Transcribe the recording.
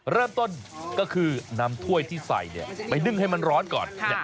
เริ่มต้นก็คือนำถ้วยที่ใส่ไปนึ่งให้มันร้อนก่อน